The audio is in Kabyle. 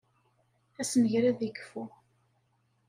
Assenger ad ikfu.